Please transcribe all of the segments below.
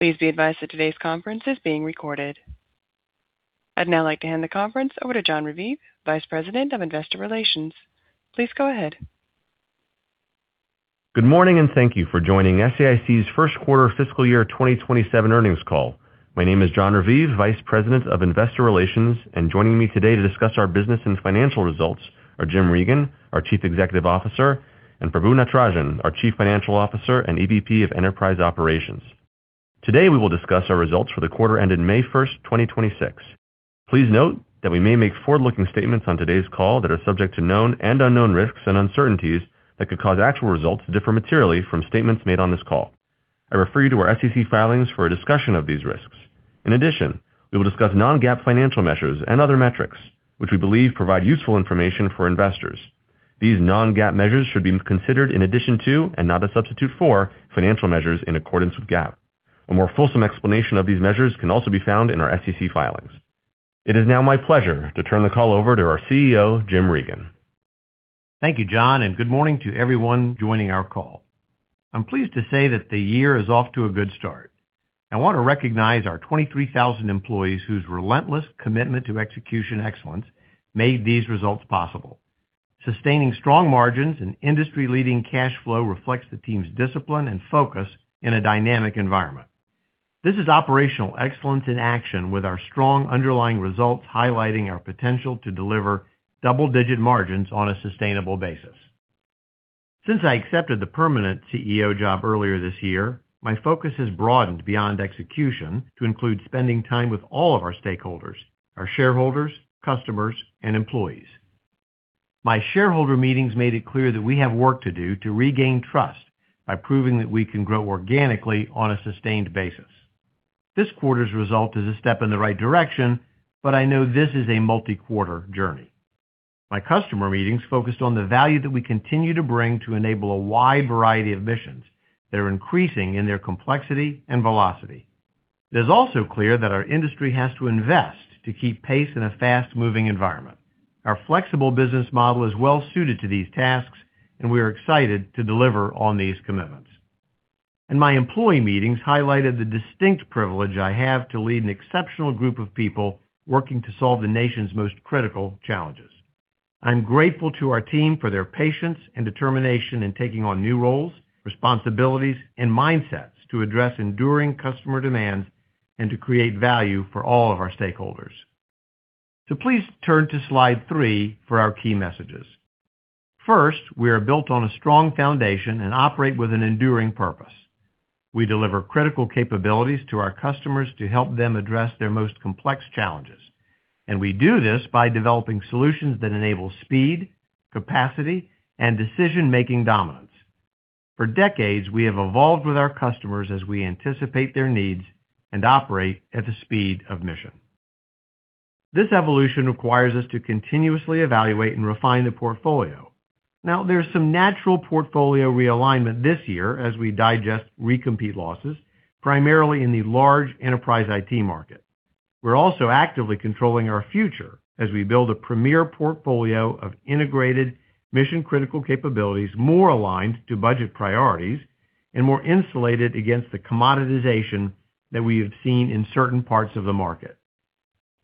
Please be advised that today's conference is being recorded. I'd now like to hand the conference over to Joseph DeNardi, Vice President of Investor Relations. Please go ahead. Good morning, and thank you for joining SAIC's first quarter FY 2027 earnings call. My name is Joseph DeNardi, Vice President of Investor Relations, and joining me today to discuss our business and financial results are Jim Reagan, our Chief Executive Officer, and Prabu Natarajan, our Chief Financial Officer and EVP of Enterprise Operations. Today, we will discuss our results for the quarter ended May 1st, 2026. Please note that we may make forward-looking statements on today's call that are subject to known and unknown risks and uncertainties that could cause actual results to differ materially from statements made on this call. I refer you to our SEC filings for a discussion of these risks. In addition, we will discuss non-GAAP financial measures and other metrics, which we believe provide useful information for investors. These non-GAAP measures should be considered in addition to, and not a substitute for, financial measures in accordance with GAAP. A more fulsome explanation of these measures can also be found in our SEC filings. It is now my pleasure to turn the call over to our CEO, Jim Reagan. Thank you, Joe, and good morning to everyone joining our call. I'm pleased to say that the year is off to a good start. I want to recognize our 23,000 employees whose relentless commitment to execution excellence made these results possible. Sustaining strong margins and industry-leading cash flow reflects the team's discipline and focus in a dynamic environment. This is operational excellence in action with our strong underlying results highlighting our potential to deliver double-digit margins on a sustainable basis. Since I accepted the permanent CEO job earlier this year, my focus has broadened beyond execution to include spending time with all of our stakeholders, our shareholders, customers, and employees. My shareholder meetings made it clear that we have work to do to regain trust by proving that we can grow organically on a sustained basis. This quarter's result is a step in the right direction, I know this is a multi-quarter journey. My customer meetings focused on the value that we continue to bring to enable a wide variety of missions that are increasing in their complexity and velocity. It is also clear that our industry has to invest to keep pace in a fast-moving environment. Our flexible business model is well suited to these tasks, and we are excited to deliver on these commitments. In my employee meetings, I highlighted the distinct privilege I have to lead an exceptional group of people working to solve the nation's most critical challenges. I'm grateful to our team for their patience and determination in taking on new roles, responsibilities, and mindsets to address enduring customer demands and to create value for all of our stakeholders. Please turn to slide 3 for our key messages. First, we are built on a strong foundation and operate with an enduring purpose. We deliver critical capabilities to our customers to help them address their most complex challenges, and we do this by developing solutions that enable speed, capacity, and decision-making dominance. For decades, we have evolved with our customers as we anticipate their needs and operate at the speed of mission. This evolution requires us to continuously evaluate and refine the portfolio. There's some natural portfolio realignment this year as we digest re-compete losses, primarily in the large enterprise IT market. We're also actively controlling our future as we build a premier portfolio of integrated mission-critical capabilities more aligned to budget priorities and more insulated against the commoditization that we have seen in certain parts of the market.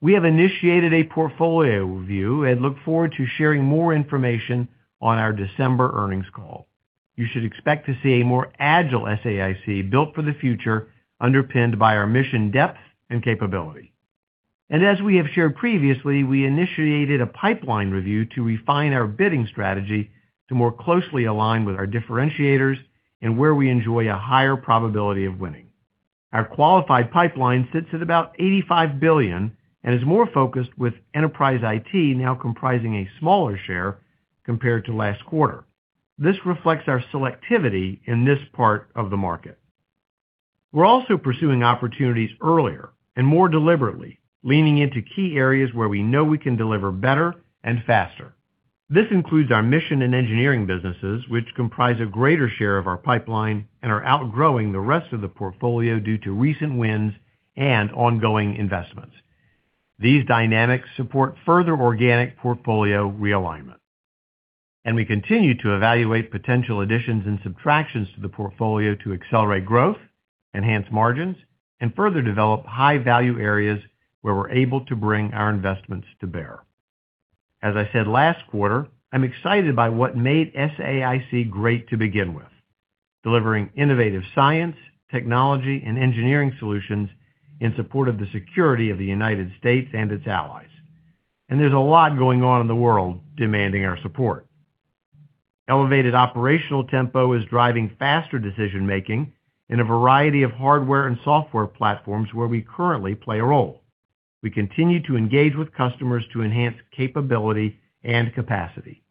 We have initiated a portfolio review and look forward to sharing more information on our December earnings call. You should expect to see a more agile SAIC built for the future, underpinned by our mission depth and capability. As we have shared previously, we initiated a pipeline review to refine our bidding strategy to more closely align with our differentiators and where we enjoy a higher probability of winning. Our qualified pipeline sits at about $85 billion and is more focused, with enterprise IT now comprising a smaller share compared to last quarter. This reflects our selectivity in this part of the market. We're also pursuing opportunities earlier and more deliberately, leaning into key areas where we know we can deliver better and faster. This includes our mission and engineering businesses, which comprise a greater share of our pipeline and are outgrowing the rest of the portfolio due to recent wins and ongoing investments. These dynamics support further organic portfolio realignment. We continue to evaluate potential additions and subtractions to the portfolio to accelerate growth, enhance margins, and further develop high-value areas where we're able to bring our investments to bear. As I said last quarter, I'm excited by what made SAIC great to begin with. Delivering innovative science, technology, and engineering solutions in support of the security of the United States and its allies. There's a lot going on in the world demanding our support. Elevated operational tempo is driving faster decision-making in a variety of hardware and software platforms where we currently play a role. We continue to engage with customers to enhance capability and capacity.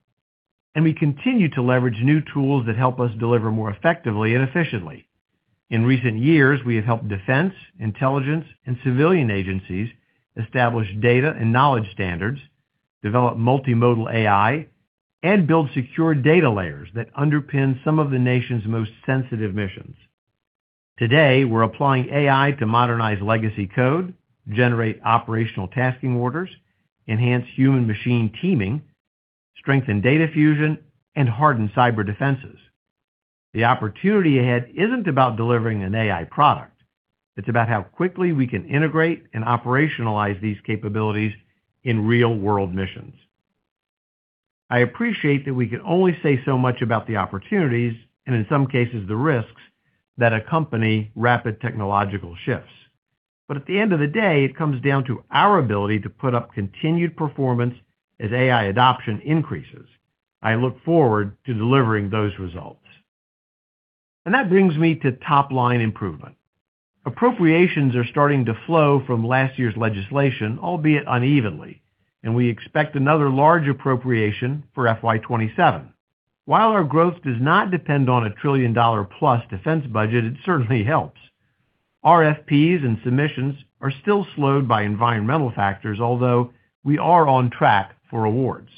We continue to leverage new tools that help us deliver more effectively and efficiently. In recent years, we have helped defense, intelligence, and civilian agencies establish data and knowledge standards, develop multimodal AI, and build secure data layers that underpin some of the nation's most sensitive missions. Today, we're applying AI to modernize legacy code, generate operational tasking orders, enhance human-machine teaming, strengthen data fusion, and harden cyber defenses. The opportunity ahead isn't about delivering an AI product. It's about how quickly we can integrate and operationalize these capabilities in real-world missions. I appreciate that we can only say so much about the opportunities, and in some cases, the risks that accompany rapid technological shifts. At the end of the day, it comes down to our ability to put up continued performance as AI adoption increases. I look forward to delivering those results. That brings me to top-line improvement. Appropriations are starting to flow from last year's legislation, albeit unevenly. We expect another large appropriation for FY 2027. While our growth does not depend on a trillion-dollar-plus defense budget, it certainly helps. RFPs and submissions are still slowed by environmental factors, although we are on track for awards.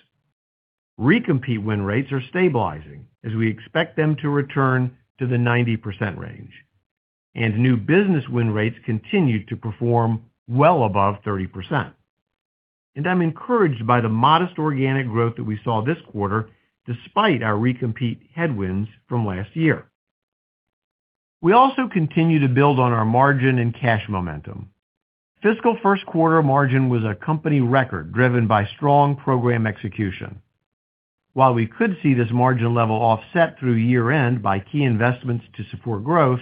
Recompete win rates are stabilizing as we expect them to return to the 90% range, and new business win rates continue to perform well above 30%. I'm encouraged by the modest organic growth that we saw this quarter, despite our recompete headwinds from last year. We also continue to build on our margin and cash momentum. Fiscal first quarter margin was a company record driven by strong program execution. While we could see this margin level offset through year-end by key investments to support growth,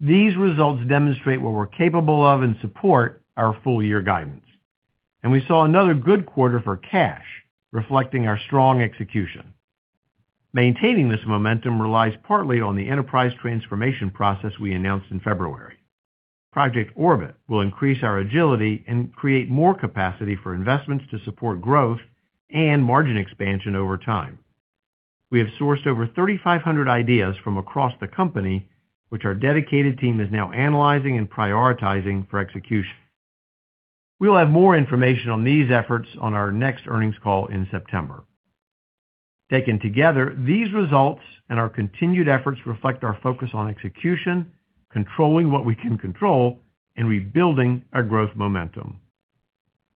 these results demonstrate what we're capable of and support our full year guidance. We saw another good quarter for cash, reflecting our strong execution. Maintaining this momentum relies partly on the enterprise transformation process we announced in February. Project Orbit will increase our agility and create more capacity for investments to support growth and margin expansion over time. We have sourced over 3,500 ideas from across the company, which our dedicated team is now analyzing and prioritizing for execution. We'll have more information on these efforts on our next earnings call in September. Taken together, these results and our continued efforts reflect our focus on execution, controlling what we can control, and rebuilding our growth momentum.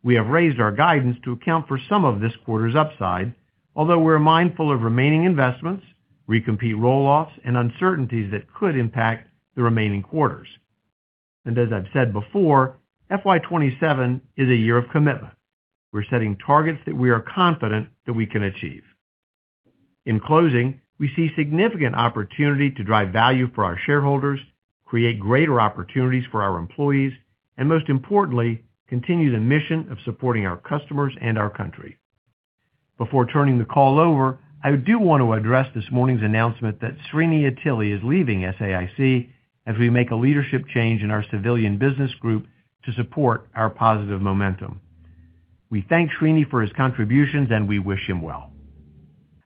We have raised our guidance to account for some of this quarter's upside, although we're mindful of remaining investments, recompete roll-offs, and uncertainties that could impact the remaining quarters. As I've said before, FY 2027 is a year of commitment. We're setting targets that we are confident that we can achieve. In closing, we see significant opportunity to drive value for our shareholders, create greater opportunities for our employees, and most importantly, continue the mission of supporting our customers and our country. Before turning the call over, I do want to address this morning's announcement that Srinivas Attili is leaving SAIC as we make a leadership change in our civilian business group to support our positive momentum. We thank Srini for his contributions, and we wish him well.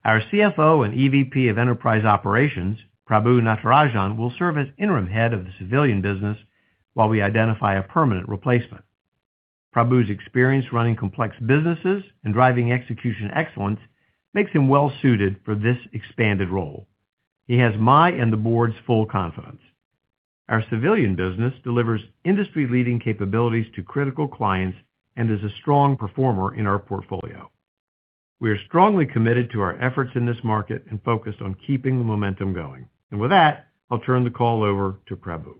Our CFO and EVP of Enterprise Operations, Prabu Natarajan, will serve as interim head of the civilian business while we identify a permanent replacement. Prabu's experience running complex businesses and driving execution excellence makes him well-suited for this expanded role. He has my and the board's full confidence. Our civilian business delivers industry-leading capabilities to critical clients and is a strong performer in our portfolio. We are strongly committed to our efforts in this market and focused on keeping the momentum going. With that, I'll turn the call over to Prabu.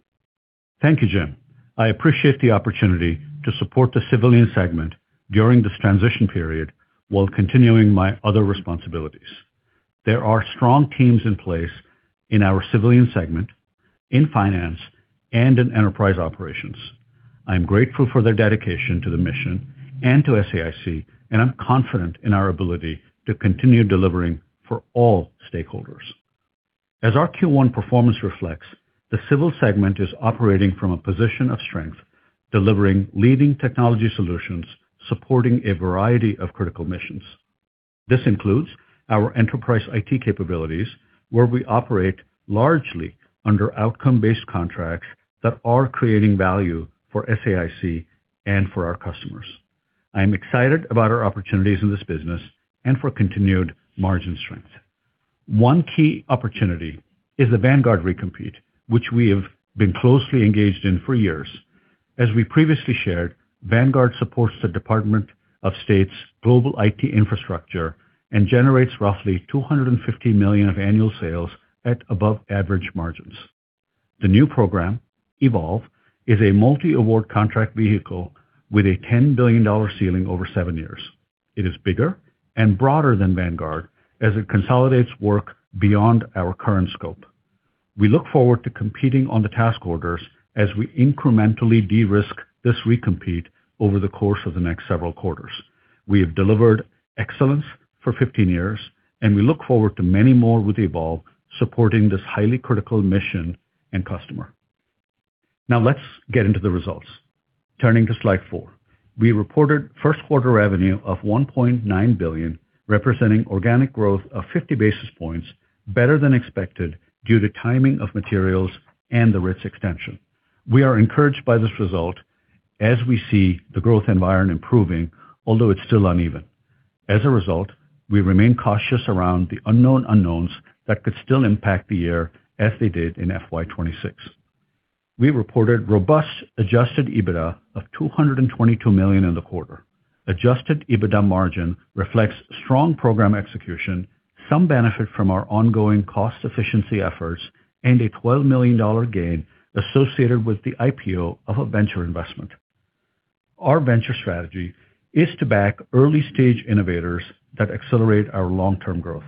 Thank you, Jim. I appreciate the opportunity to support the civilian segment during this transition period while continuing my other responsibilities. There are strong teams in place in our civilian segment, in finance, and in Enterprise Operations. I'm grateful for their dedication to the mission and to SAIC, and I'm confident in our ability to continue delivering for all stakeholders. As our Q1 performance reflects, the civil segment is operating from a position of strength, delivering leading technology solutions, supporting a variety of critical missions. This includes our enterprise IT capabilities, where we operate largely under outcome-based contracts that are creating value for SAIC and for our customers. I'm excited about our opportunities in this business and for continued margin strength. One key opportunity is the Vanguard recompete, which we have been closely engaged in for years. As we previously shared, Vanguard supports the Department of State's global IT infrastructure and generates roughly $250 million of annual sales at above-average margins. The new program, Evolve, is a multi-award contract vehicle with a $10 billion ceiling over seven years. It is bigger and broader than Vanguard as it consolidates work beyond our current scope. We look forward to competing on the task orders as we incrementally de-risk this recompete over the course of the next several quarters. We have delivered excellence for 15 years. We look forward to many more with Evolve, supporting this highly critical mission and customer. Let's get into the results. Turning to slide 4. We reported first quarter revenue of $1.9 billion, representing organic growth of 50 basis points, better than expected due to timing of materials and the RITS extension. We are encouraged by this result as we see the growth environment improving, although it's still uneven. As a result, we remain cautious around the unknown unknowns that could still impact the year as they did in FY 2026. We reported robust Adjusted EBITDA of $222 million in the quarter. Adjusted EBITDA margin reflects strong program execution, some benefit from our ongoing cost efficiency efforts, and a $12 million gain associated with the IPO of a venture investment. Our venture strategy is to back early-stage innovators that accelerate our long-term growth.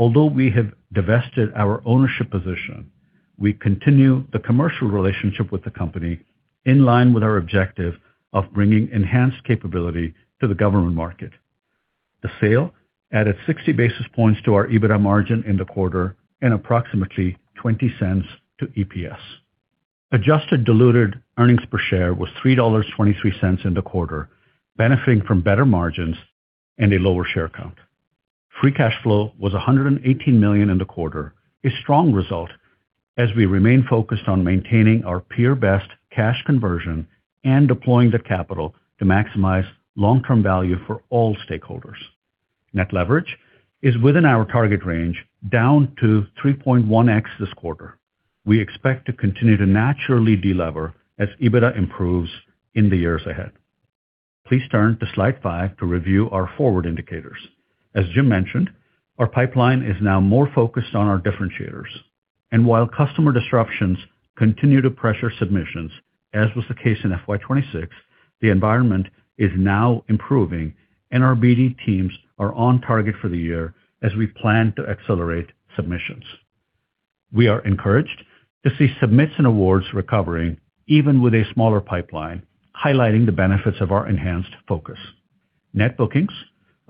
Although we have divested our ownership position, we continue the commercial relationship with the company in line with our objective of bringing enhanced capability to the government market. The sale added 60 basis points to our EBITDA margin in the quarter and approximately $0.20 to EPS. Adjusted diluted earnings per share was $3.23 in the quarter, benefiting from better margins and a lower share count. Free cash flow was $118 million in the quarter, a strong result as we remain focused on maintaining our peer-best cash conversion and deploying that capital to maximize long-term value for all stakeholders. Net leverage is within our target range down to 3.1x this quarter. We expect to continue to naturally de-lever as EBITDA improves in the years ahead. Please turn to slide 5 to review our forward indicators. As Jim mentioned, our pipeline is now more focused on our differentiators. While customer disruptions continue to pressure submissions, as was the case in FY 2026, the environment is now improving, and our BD teams are on target for the year as we plan to accelerate submissions. We are encouraged to see submits and awards recovering even with a smaller pipeline, highlighting the benefits of our enhanced focus. Net bookings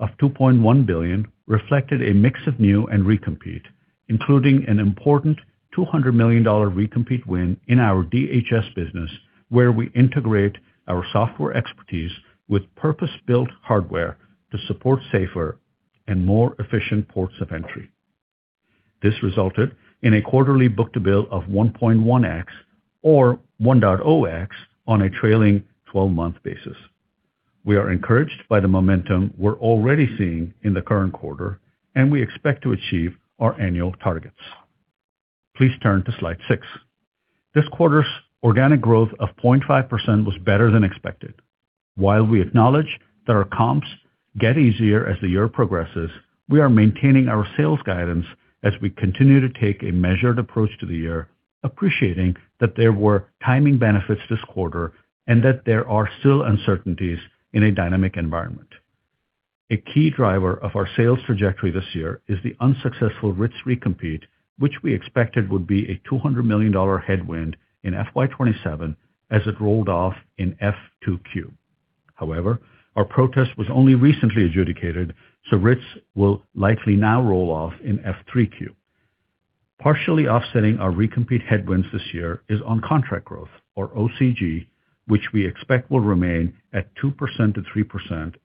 of 2.1 billion reflected a mix of new and recompete, including an important $200 million recompete win in our DHS business, where we integrate our software expertise with purpose-built hardware to support safer and more efficient ports of entry. This resulted in a quarterly book-to-bill of 1.1x or 1.0x on a trailing 12-month basis. We are encouraged by the momentum we're already seeing in the current quarter, and we expect to achieve our annual targets. Please turn to slide 6. This quarter's organic growth of 0.5% was better than expected. While we acknowledge that our comps get easier as the year progresses, we are maintaining our sales guidance as we continue to take a measured approach to the year, appreciating that there were timing benefits this quarter and that there are still uncertainties in a dynamic environment. A key driver of our sales trajectory this year is the unsuccessful RITS recompete, which we expected would be a $200 million headwind in FY 2027 as it rolled off in F2Q. However, our protest was only recently adjudicated, so RITS will likely now roll off in F3Q. Partially offsetting our recompete headwinds this year is on contract growth or OCG, which we expect will remain at 2%-3%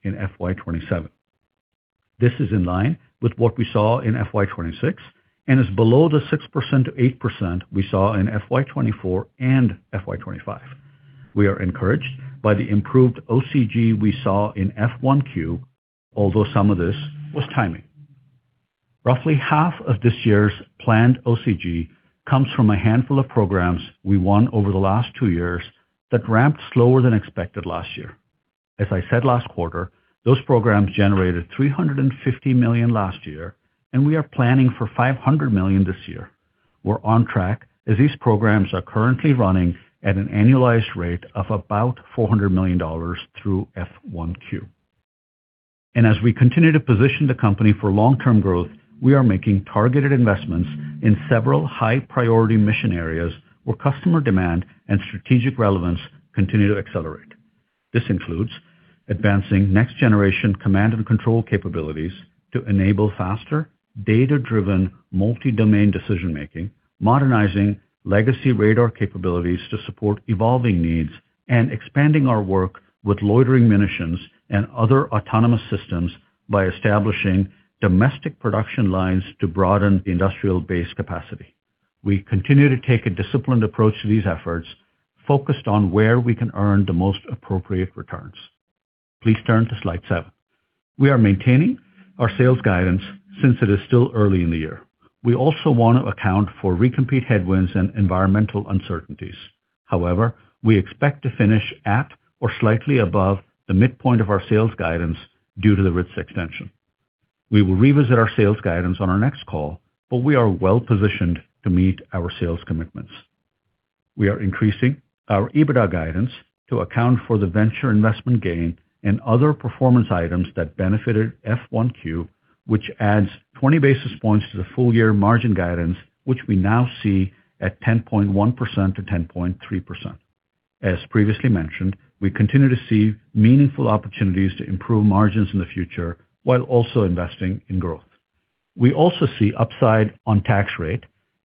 in FY 2027. This is in line with what we saw in FY 2026 and is below the 6%-8% we saw in FY 2024 and FY 2025. We are encouraged by the improved OCG we saw in F1Q, although some of this was timing. Roughly half of this year's planned OCG comes from a handful of programs we won over the last two years that ramped slower than expected last year. As I said last quarter, those programs generated $350 million last year, and we are planning for $500 million this year. We're on track as these programs are currently running at an annualized rate of about $400 million through F1Q. As we continue to position the company for long-term growth, we are making targeted investments in several high-priority mission areas where customer demand and strategic relevance continue to accelerate. This includes advancing next-generation command and control capabilities to enable faster, data-driven multi-domain decision-making, modernizing legacy radar capabilities to support evolving needs, and expanding our work with loitering munitions and other autonomous systems by establishing domestic production lines to broaden the industrial-based capacity. We continue to take a disciplined approach to these efforts, focused on where we can earn the most appropriate returns. Please turn to slide 7. We are maintaining our sales guidance since it is still early in the year. We also want to account for recompete headwinds and environmental uncertainties. However, we expect to finish at or slightly above the midpoint of our sales guidance due to the RITS extension. We will revisit our sales guidance on our next call, but we are well-positioned to meet our sales commitments. We are increasing our EBITDA guidance to account for the venture investment gain and other performance items that benefited F1Q, which adds 20 basis points to the full year margin guidance, which we now see at 10.1%-10.3%. As previously mentioned, we continue to see meaningful opportunities to improve margins in the future while also investing in growth. We also see upside on tax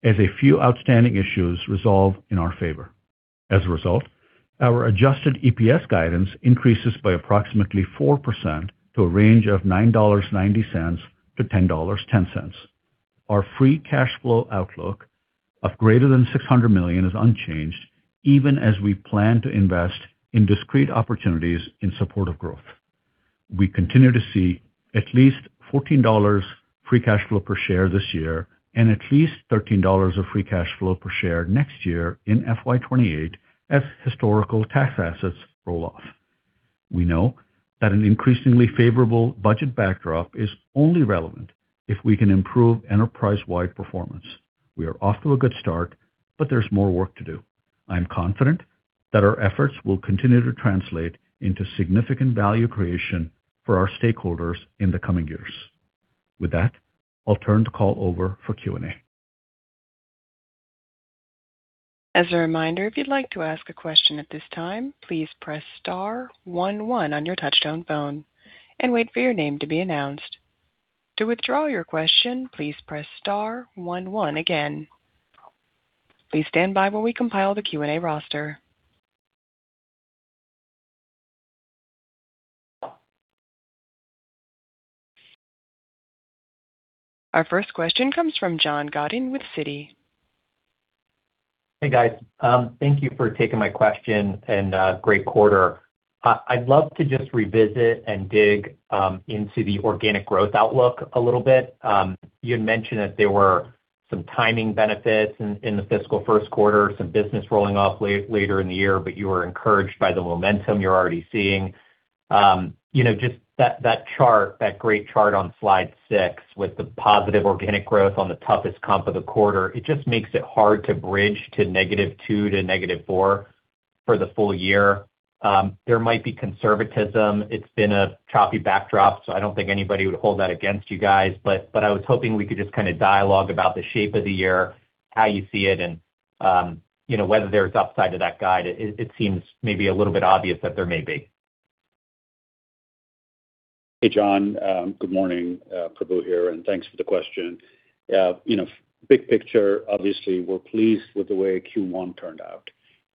rate as a few outstanding issues resolve in our favor. As a result, our adjusted EPS guidance increases by approximately 4% to a range of $9.90-$10.10. Our free cash flow outlook of greater than $600 million is unchanged even as we plan to invest in discrete opportunities in support of growth. We continue to see at least $14 free cash flow per share this year and at least $13 of free cash flow per share next year in FY 2028 as historical tax assets roll off. We know that an increasingly favorable budget backdrop is only relevant if we can improve enterprise-wide performance. We are off to a good start, but there's more work to do. I'm confident that our efforts will continue to translate into significant value creation for our stakeholders in the coming years. With that, I'll turn the call over for Q&A. As a reminder, if you'd like to ask a question at this time, please press star one one on your touchtone phone and wait for your name to be announced. To withdraw your question, please press star one one again. Please stand by while we complile the Q&A roster. Our first question comes from John Godyn with Citigroup. Hey, guys. Thank you for taking my question and great quarter. I'd love to just revisit and dig into the organic growth outlook a little bit. You had mentioned that there were some timing benefits in the fiscal first quarter, some business rolling off later in the year, but you were encouraged by the momentum you're already seeing. Just that great chart on slide 6 with the positive organic growth on the toughest comp of the quarter, it just makes it hard to bridge to -2% to -4% for the full year. There might be conservatism. It's been a choppy backdrop, so I don't think anybody would hold that against you guys. I was hoping we could just kind of dialogue about the shape of the year, how you see it, and whether there's upside to that guide. It seems maybe a little bit obvious that there may be. Hey, John. Good morning. Prabu here. Thanks for the question. Big picture, obviously, we're pleased with the way Q1 turned out.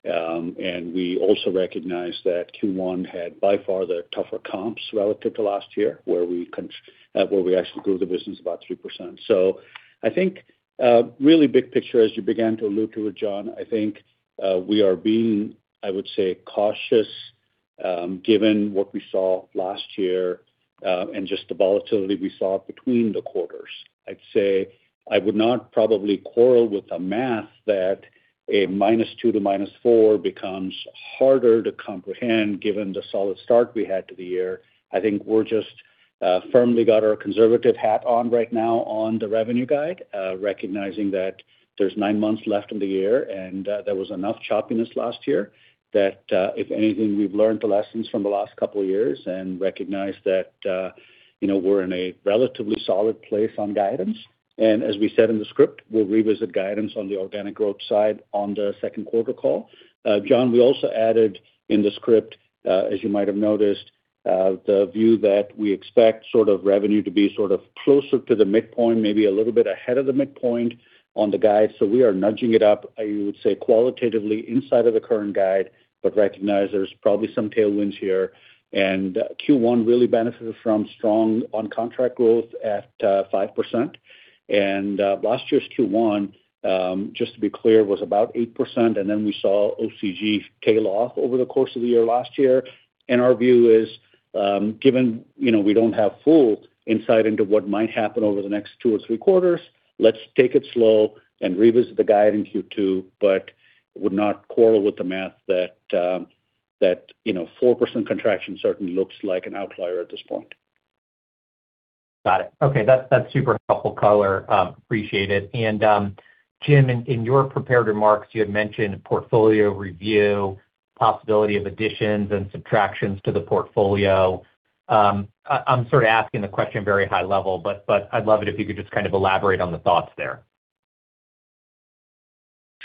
We also recognize that Q1 had by far the tougher comps relative to last year, where we actually grew the business about 3%. I think really big picture, as you began to allude to it, John, I think we are being, I would say, cautious given what we saw last year and just the volatility we saw between the quarters. I'd say I would not probably quarrel with the math that a -2% to -4% becomes harder to comprehend given the solid start we had to the year. I think we're just firmly got our conservative hat on right now on the revenue guide, recognizing that there's nine months left in the year, and there was enough choppiness last year that if anything, we've learned the lessons from the last couple of years and recognize that we're in a relatively solid place on guidance. As we said in the script, we'll revisit guidance on the organic growth side on the second quarter call. John, we also added in the script, as you might have noticed, the view that we expect sort of revenue to be sort of closer to the midpoint, maybe a little bit ahead of the midpoint on the guide. We are nudging it up, I would say, qualitatively inside of the current guide, but recognize there's probably some tailwinds here. Q1 really benefited from strong on-contract growth at 5%. Last year's Q1, just to be clear, was about 8%, and then we saw OCG tail off over the course of the year last year. Our view is given we don't have full insight into what might happen over the next two or three quarters, let's take it slow and revisit the guide in Q2, but would not quarrel with the math that 4% contraction certainly looks like an outlier at this point. Got it. Okay. That's super helpful color. Appreciate it. Jim, in your prepared remarks, you had mentioned portfolio review, possibility of additions and subtractions to the portfolio. I'm sort of asking the question very high level, but I'd love it if you could just kind of elaborate on the thoughts there.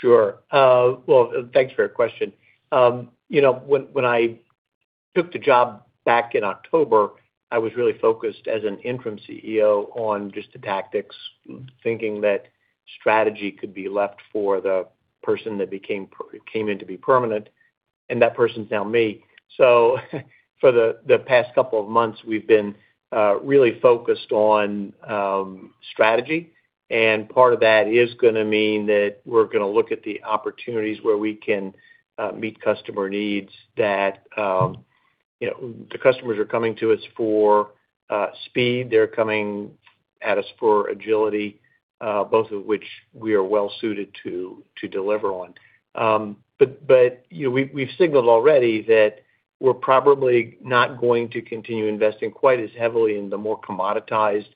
Sure. Thanks for your question. When I took the job back in October, I was really focused as an interim CEO on just the tactics, thinking that strategy could be left for the person that came in to be permanent. That person's now me. For the past couple of months, we've been really focused on strategy. Part of that is going to mean that we're going to look at the opportunities where we can meet customer needs that the customers are coming to us for speed, they're coming at us for agility both of which we are well suited to deliver on. We've signaled already that we're probably not going to continue investing quite as heavily in the more commoditized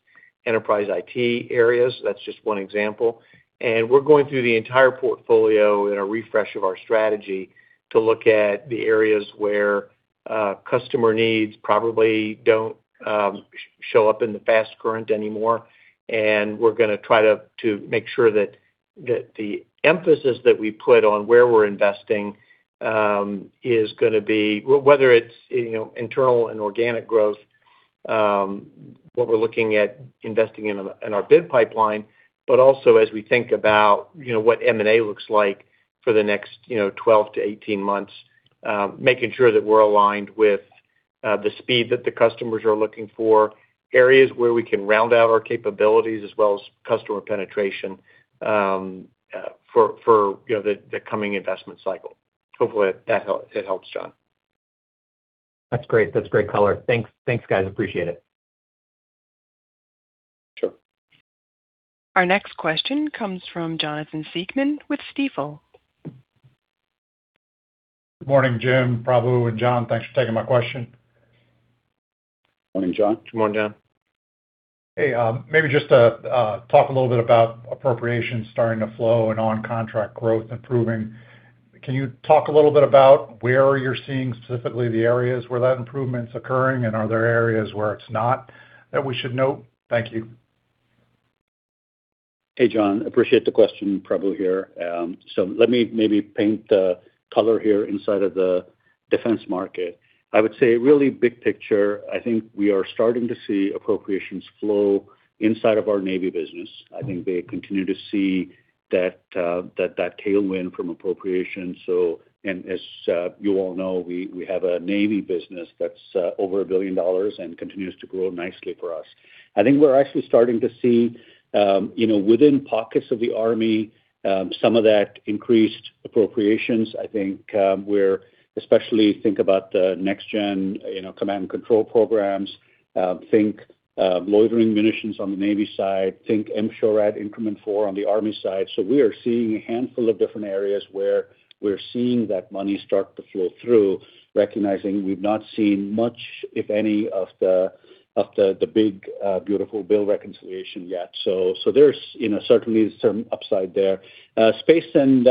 enterprise IT areas. That's just one example. We're going through the entire portfolio in a refresh of our strategy to look at the areas where customer needs probably don't show up in the fast current anymore, and we're going to try to make sure that the emphasis that we put on where we're investing is going to be, whether it's internal and organic growth, what we're looking at investing in our bid pipeline, but also as we think about what M&A looks like for the next 12 to 18 months, making sure that we're aligned with the speed that the customers are looking for, areas where we can round out our capabilities as well as customer penetration for the coming investment cycle. Hopefully it helps, John. That's great color. Thanks, guys. Appreciate it. Sure. Our next question comes from Jonathan Siegmann with Stifel. Good morning, Jim, Prabu, and Joe. Thanks for taking my question. Morning, Jon. Good morning, Jon. Hey, maybe just to talk a little bit about appropriations starting to flow and on-contract growth improving. Can you talk a little bit about where you're seeing specifically the areas where that improvement's occurring, and are there areas where it's not that we should note? Thank you. Hey, Jon. Appreciate the question. Prabu here. Let me maybe paint the color here inside of the defense market. I would say really big picture, I think we are starting to see appropriations flow inside of our Navy business. I think they continue to see that tailwind from appropriations. As you all know, we have a Navy business that's over $1 billion and continues to grow nicely for us. I think we're actually starting to see within pockets of the Army, some of that increased appropriations. I think we're especially think about the next gen command and control programs. Think loitering munitions on the Navy side, think M-SHORAD Increment 4 on the Army side. We are seeing a handful of different areas where we're seeing that money start to flow through, recognizing we've not seen much, if any, of the big, beautiful bill reconciliation yet. There's certainly some upside there. Space and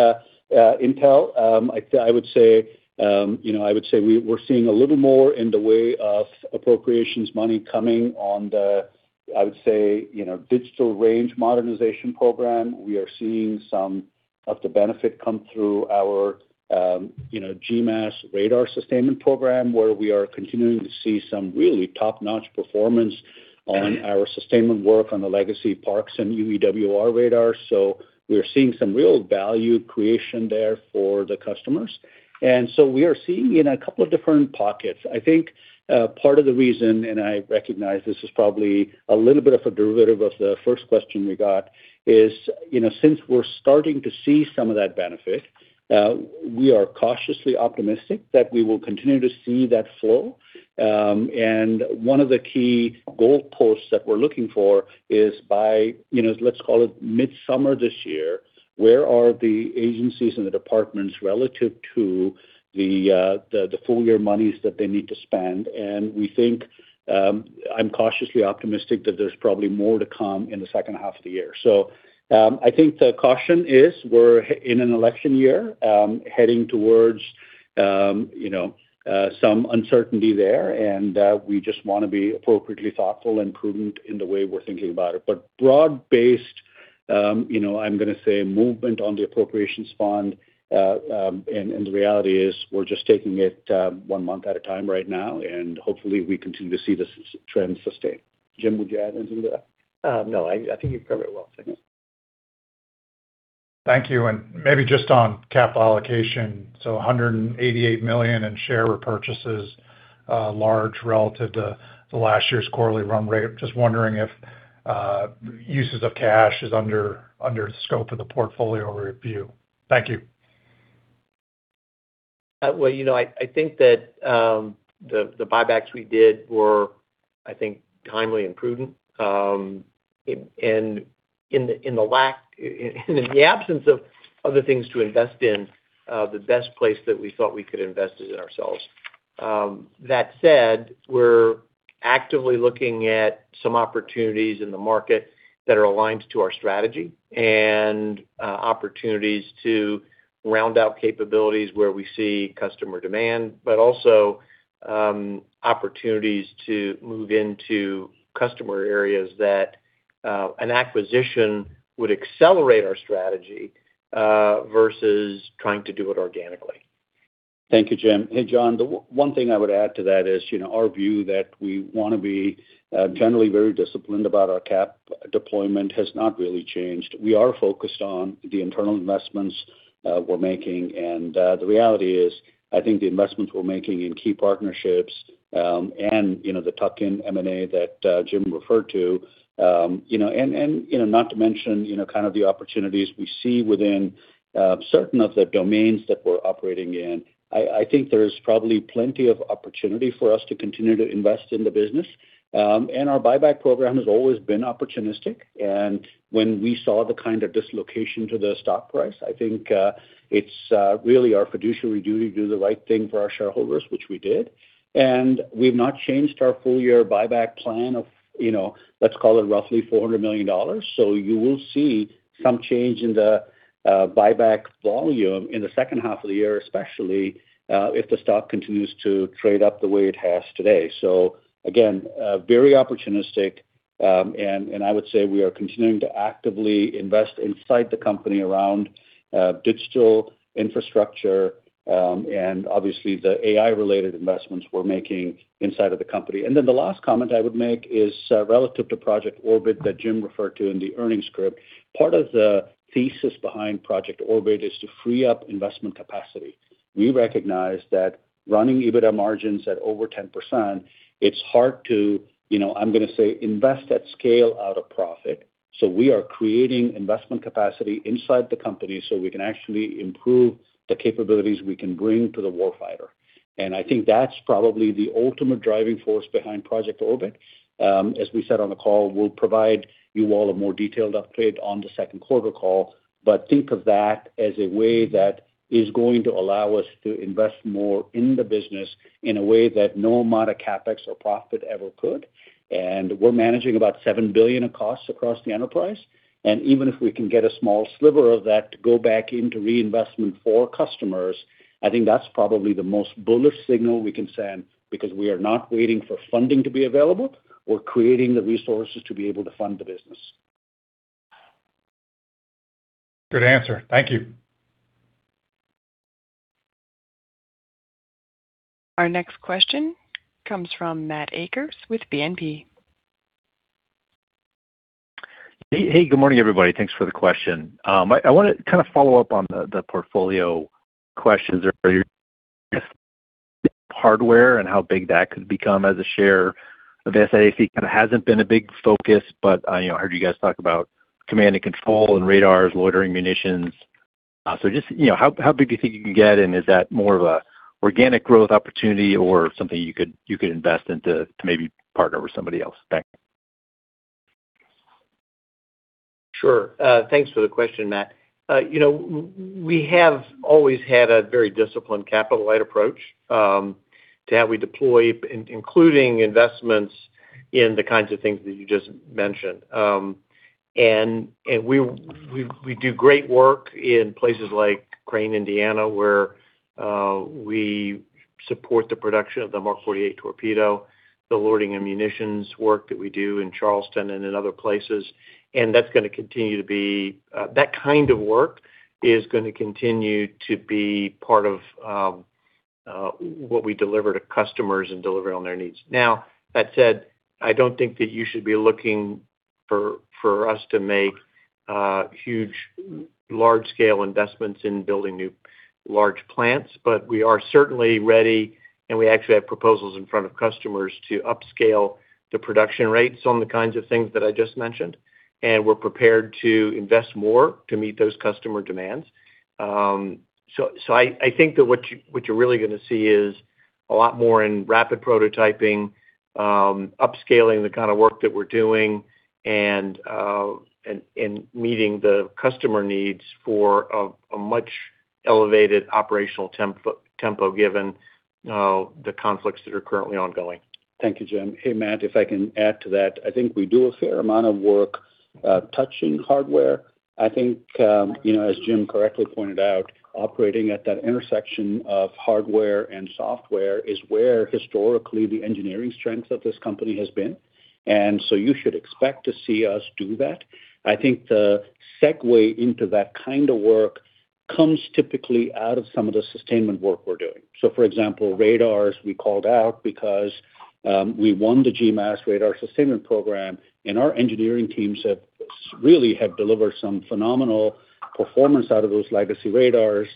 intel, I would say we're seeing a little more in the way of appropriations money coming on the, I would say, digital range modernization program. We are seeing some of the benefit come through our GMASS radar sustainment program, where we are continuing to see some really top-notch performance on our sustainment work on the legacy PARCS and UEWR radar. We are seeing some real value creation there for the customers. We are seeing in a couple of different pockets. I think part of the reason, and I recognize this is probably a little bit of a derivative of the first question we got, is, since we're starting to see some of that benefit, we are cautiously optimistic that we will continue to see that flow. One of the key goalposts that we're looking for is by, let's call it midsummer this year, where are the agencies and the departments relative to the full-year monies that they need to spend? We think, I'm cautiously optimistic that there's probably more to come in the second half of the year. I think the caution is we're in an election year, heading towards some uncertainty there. We just want to be appropriately thoughtful and prudent in the way we're thinking about it. Broad-based, I'm going to say, movement on the appropriations fund. The reality is we're just taking it one month at a time right now, and hopefully we continue to see this trend sustain. Jim, would you add anything to that? No, I think you covered it well, thanks. Thank you. Maybe just on capital allocation. $188 million in share repurchases, large relative to last year's quarterly run rate. Just wondering if uses of cash is under scope of the portfolio review. Thank you. Well, I think that the buybacks we did were, I think, timely and prudent. In the absence of other things to invest in, the best place that we thought we could invest is in ourselves. That said, we're actively looking at some opportunities in the market that are aligned to our strategy and opportunities to round out capabilities where we see customer demand. Also opportunities to move into customer areas that an acquisition would accelerate our strategy versus trying to do it organically. Thank you, Jim. Jon, the one thing I would add to that is our view that we want to be generally very disciplined about our CapEx deployment has not really changed. We are focused on the internal investments we're making. The reality is, I think the investments we're making in key partnerships, and the tuck-in M&A that Jim referred to, and not to mention kind of the opportunities we see within certain of the domains that we're operating in, I think there's probably plenty of opportunity for us to continue to invest in the business. Our buyback program has always been opportunistic. When we saw the kind of dislocation to the stock price, I think it's really our fiduciary duty to do the right thing for our shareholders, which we did. We've not changed our full-year buyback plan of, let's call it roughly $400 million. You will see some change in the buyback volume in the second half of the year, especially if the stock continues to trade up the way it has today. Again, very opportunistic. I would say we are continuing to actively invest inside the company around digital infrastructure and obviously the AI-related investments we're making inside of the company. The last comment I would make is relative to Project Orbit that Jim referred to in the earnings script. Part of the thesis behind Project Orbit is to free up investment capacity. We recognize that running EBITDA margins at over 10%, it's hard to, I'm going to say, invest at scale out of profit. We are creating investment capacity inside the company so we can actually improve the capabilities we can bring to the war fighter. I think that's probably the ultimate driving force behind Project Orbit. As we said on the call, we'll provide you all a more detailed update on the second quarter call. Think of that as a way that is going to allow us to invest more in the business in a way that no amount of CapEx or profit ever could. We are managing about $7 billion of costs across the enterprise. Even if we can get a small sliver of that to go back into reinvestment for customers, I think that's probably the most bullish signal we can send, because we are not waiting for funding to be available. We are creating the resources to be able to fund the business. Good answer. Thank you. Our next question comes from Matt Akers with BNP. Hey. Good morning, everybody. Thanks for the question. I want to kind of follow up on the portfolio questions or your hardware and how big that could become as a share of SAIC. Kind of hasn't been a big focus, I heard you guys talk about command and control and radars, loitering munitions. Just how big do you think you can get, and is that more of a organic growth opportunity or something you could invest into to maybe partner with somebody else? Thanks. Sure. Thanks for the question, Matt. We have always had a very disciplined capital-light approach, to how we deploy, including investments in the kinds of things that you just mentioned. We do great work in places like Crane, Indiana, where we support the production of the Mark 48 torpedo, the loitering munitions work that we do in Charleston and in other places. That kind of work is going to continue to be part of what we deliver to customers and deliver on their needs. Now, that said, I don't think that you should be looking for us to make huge, large-scale investments in building new large plants. We are certainly ready, and we actually have proposals in front of customers to upscale the production rates on the kinds of things that I just mentioned. We're prepared to invest more to meet those customer demands. I think that what you're really going to see is a lot more in rapid prototyping, upscaling the kind of work that we're doing, and meeting the customer needs for a much elevated operational tempo given the conflicts that are currently ongoing. Thank you, Jim. Hey, Matt, if I can add to that. I think we do a fair amount of work touching hardware. I think, as Jim correctly pointed out, operating at that intersection of hardware and software is where, historically, the engineering strength of this company has been. You should expect to see us do that. I think the segue into that kind of work comes typically out of some of the sustainment work we're doing. For example, radars we called out because we won the GMASS radar sustainment program, and our engineering teams really have delivered some phenomenal performance out of those legacy radars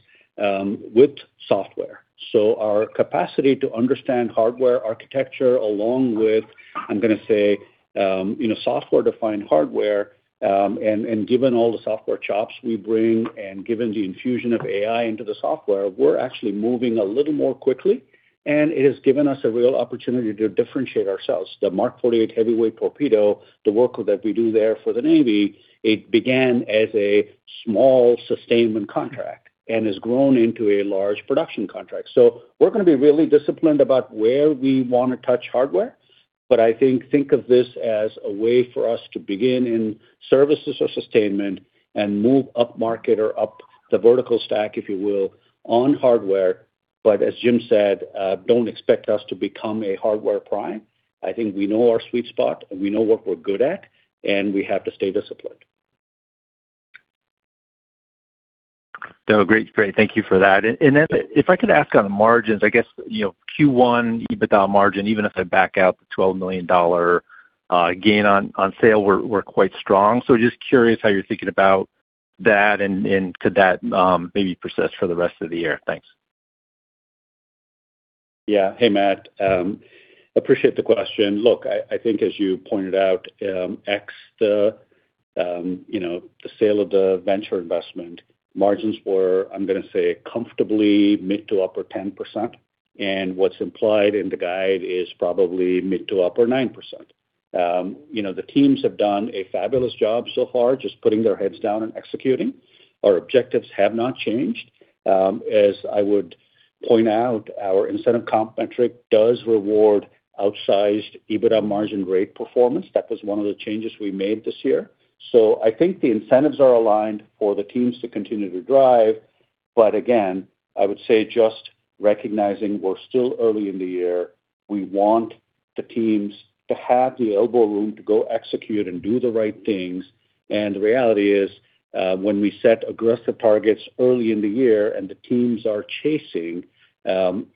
with software. Our capacity to understand hardware architecture along with, I'm going to say, software-defined hardware, and given all the software chops we bring and given the infusion of AI into the software, we're actually moving a little more quickly, and it has given us a real opportunity to differentiate ourselves. The Mark 48 heavyweight torpedo, the work that we do there for the U.S. Navy, it began as a small sustainment contract and has grown into a large production contract. We're going to be really disciplined about where we want to touch hardware, but I think of this as a way for us to begin in services or sustainment and move upmarket or up the vertical stack, if you will, on hardware. As Jim said, don't expect us to become a hardware prime. I think we know our sweet spot, and we know what we're good at, and we have to stay disciplined. No, great. Thank you for that. If I could ask on the margins, I guess, Q1 EBITDA margin, even if I back out the $12 million gain on sale, were quite strong. Just curious how you're thinking about that and could that maybe persist for the rest of the year? Thanks. Yeah. Hey, Matt. Appreciate the question. I think as you pointed out, ex the sale of the venture investment, margins were, I'm going to say, comfortably mid to upper 10%, and what's implied in the guide is probably mid to upper 9%. The teams have done a fabulous job so far, just putting their heads down and executing. Our objectives have not changed. As I would point out, our incentive comp metric does reward outsized EBITDA margin rate performance. That was one of the changes we made this year. I think the incentives are aligned for the teams to continue to drive. Again, I would say, just recognizing we're still early in the year, we want the teams to have the elbow room to go execute and do the right things. The reality is, when we set aggressive targets early in the year and the teams are chasing,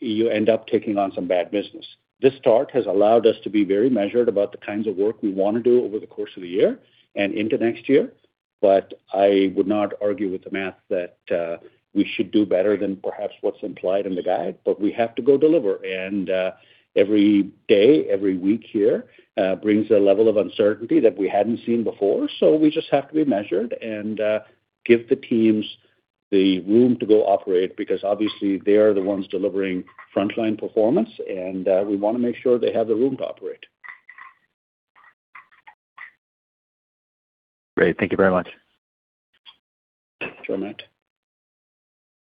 you end up taking on some bad business. This start has allowed us to be very measured about the kinds of work we want to do over the course of the year and into next year. I would not argue with the math that we should do better than perhaps what's implied in the guide, but we have to go deliver. Every day, every week here, brings a level of uncertainty that we hadn't seen before. We just have to be measured and give the teams the room to go operate, because obviously they are the ones delivering frontline performance, and we want to make sure they have the room to operate. Great. Thank you very much. Sure, Matt.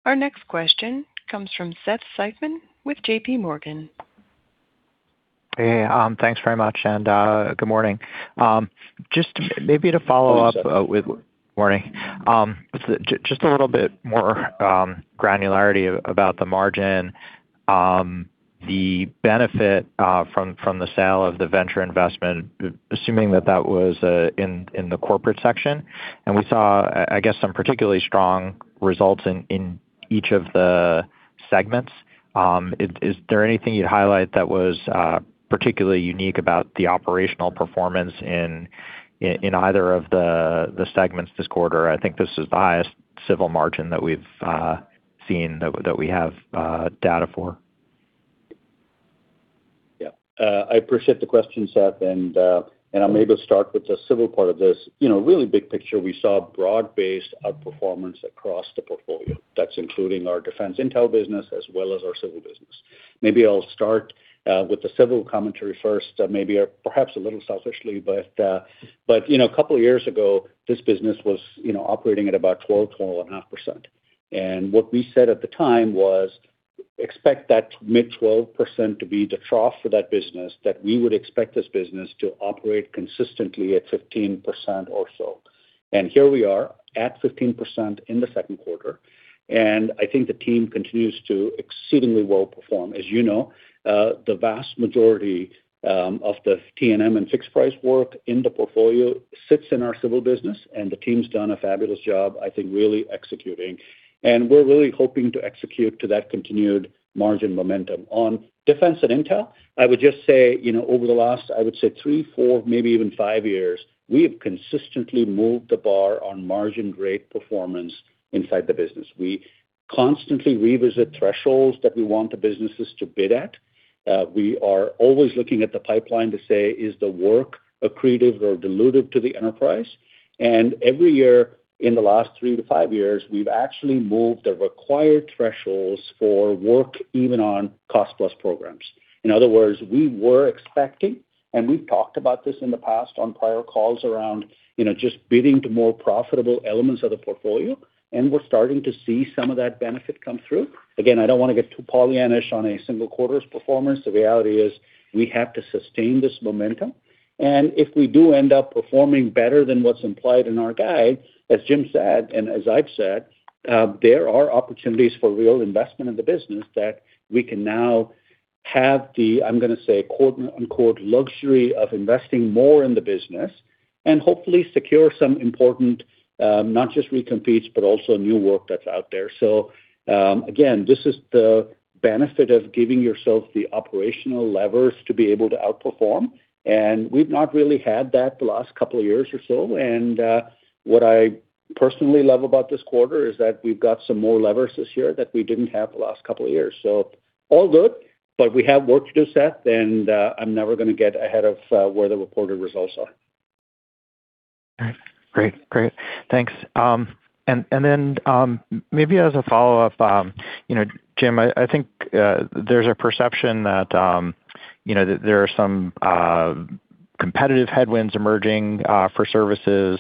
Our next question comes from Seth Seifman with JPMorgan. Hey, thanks very much, and good morning. Morning, Seth. Morning. Just a little bit more granularity about the margin. The benefit from the sale of the venture investment, assuming that that was in the corporate section. We saw, I guess, some particularly strong results in each of the segments. Is there anything you'd highlight that was particularly unique about the operational performance in either of the segments this quarter? I think this is the highest civil margin that we've seen, that we have data for. Yeah. I appreciate the question, Seth. I'm able to start with the civil part of this. Really big picture, we saw broad-based outperformance across the portfolio. That's including our defense intel business as well as our civil business. Maybe I'll start with the civil commentary first, maybe perhaps a little selfishly. A couple of years ago, this business was operating at about [12.5%]. What we said at the time was, expect that mid 12% to be the trough for that business, that we would expect this business to operate consistently at 15% or so. Here we are at 15% in the second quarter, and I think the team continues to exceedingly well-perform. As you know, the vast majority of the T&M and fixed price work in the portfolio sits in our civil business, and the team's done a fabulous job, I think, really executing. We're really hoping to execute to that continued margin momentum. On defense and intel, I would just say, over the last, I would say three, four, maybe even five years, we have consistently moved the bar on margin rate performance inside the business. We constantly revisit thresholds that we want the businesses to bid at. We are always looking at the pipeline to say, "Is the work accretive or dilutive to the enterprise?" Every year in the last three to five years, we've actually moved the required thresholds for work, even on cost-plus programs. In other words, we were expecting, and we've talked about this in the past on prior calls around just bidding to more profitable elements of the portfolio, and we're starting to see some of that benefit come through. Again, I don't want to get too Pollyannish on a single quarter's performance. The reality is, we have to sustain this momentum. If we do end up performing better than what's implied in our guide, as Jim said and as I've said, there are opportunities for real investment in the business that we can now have the, I'm going to say, quote-unquote, "luxury" of investing more in the business and hopefully secure some important, not just recompetes, but also new work that's out there. Again, this is the benefit of giving yourself the operational levers to be able to outperform. We've not really had that the last couple of years or so. What I personally love about this quarter is that we've got some more levers this year that we didn't have the last couple of years. All good, but we have work to do, Seth, and I'm never going to get ahead of where the reported results are. All right. Great. Thanks. Then maybe as a follow-up, Jim, I think there's a perception that there are some competitive headwinds emerging for services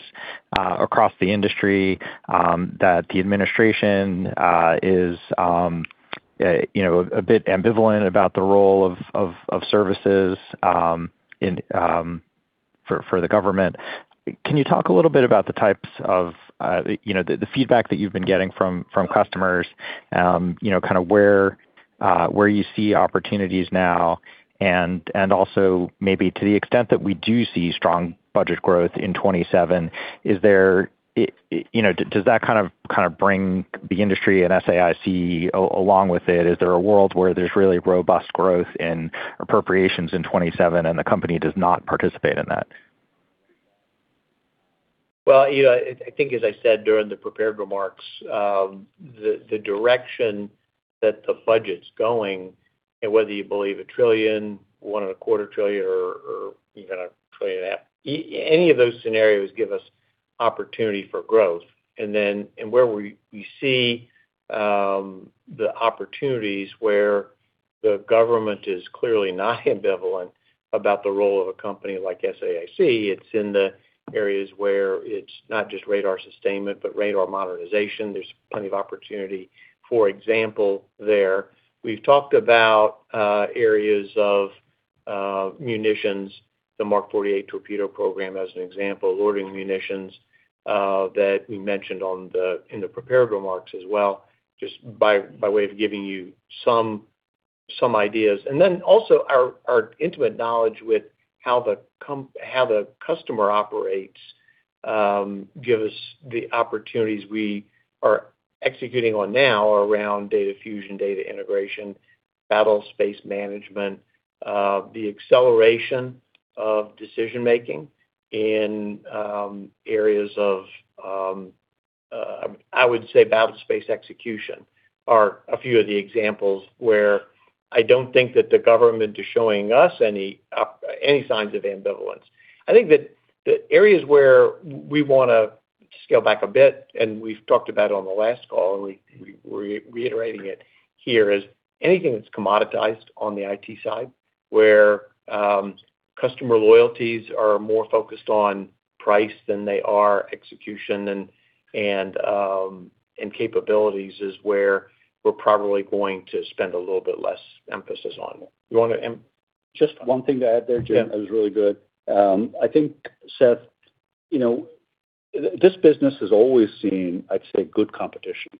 across the industry, that the administration is a bit ambivalent about the role of services for the government. Can you talk a little bit about the types of the feedback that you've been getting from customers, kind of where you see opportunities now? Also maybe to the extent that we do see strong budget growth in FY 2027, does that kind of bring the industry and SAIC along with it? Is there a world where there's really robust growth in appropriations in FY 2027 and the company does not participate in that? Well, I think as I said during the prepared remarks, the direction that the budget's going, whether you believe a trillion, one and a quarter trillion, or even a trillion and a half, any of those scenarios give us opportunity for growth. Where we see the opportunities where the government is clearly not ambivalent about the role of a company like SAIC, it's in the areas where it's not just radar sustainment but radar modernization. There's plenty of opportunity, for example, there. We've talked about areas of munitions, the Mark 48 torpedo program as an example, loitering munitions that we mentioned in the prepared remarks as well, just by way of giving you some ideas. Also our intimate knowledge with how the customer operates give us the opportunities we are executing on now around data fusion, data integration, battle space management. The acceleration of decision-making in areas of, I would say, battle space execution are a few of the examples where I don't think that the government is showing us any signs of ambivalence. I think that the areas where we want to. Scale back a bit, and we've talked about on the last call, and we're reiterating it here, is anything that's commoditized on the IT side where customer loyalties are more focused on price than they are execution and capabilities is where we're probably going to spend a little bit less emphasis on. Just one thing to add there, Jim. Yeah. That was really good. I think, Seth, this business has always seen, I'd say, good competition.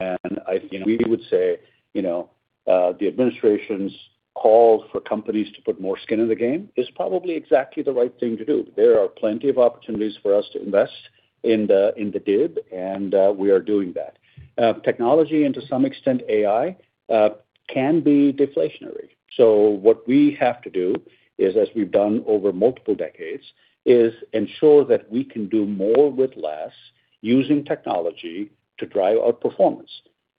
We would say the administration's call for companies to put more skin in the game is probably exactly the right thing to do. There are plenty of opportunities for us to invest in the DIB, and we are doing that. Technology, and to some extent AI, can be deflationary. What we have to do is, as we've done over multiple decades, is ensure that we can do more with less using technology to drive our performance.